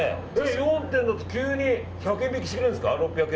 ４点だと急に１００円引きしてくれるんですか。